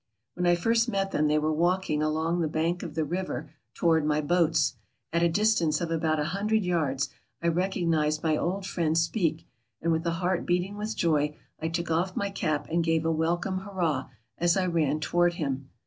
When I first met them they were walking along the bank of the river toward my boats. At a distance of about a hundred yards I recognized my old friend Speke, and with a heart beating with joy I took off my cap and gave a welcome hurrah ! as I ran toward him.